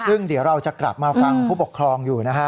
ซึ่งเดี๋ยวเราจะกลับมาฟังผู้ปกครองอยู่นะฮะ